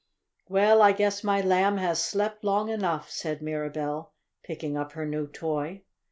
"Well, I guess my Lamb has slept long enough," said Mirabell, picking up her new toy.